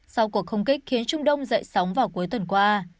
sau cuộc không kích khiến trung đông dậy sóng vào cuối tuần qua